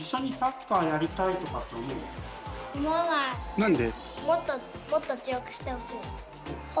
なんで？